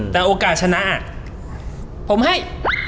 แต่โอกาสชนะผมให้